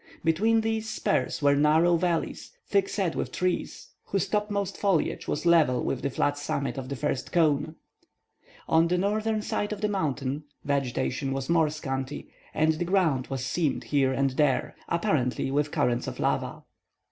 Between these spurs were narrow valleys, thick set with trees, whose topmost foliage was level with the flat summit of the first cone. On the northeast side of the mountain, vegetation was more scanty, and the ground was seamed here and there, apparently with currents of lava.